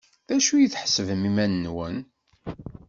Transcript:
D acu i tḥesbem iman-nwen?